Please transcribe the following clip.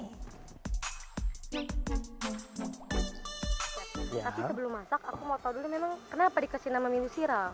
tapi sebelum masak aku mau tahu dulu memang kenapa dikasih nama menu siral